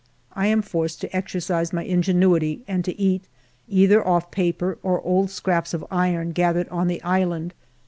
I am forced to exercise my ingenuity and to eat either off paper or old scraps of iron gathered on the island.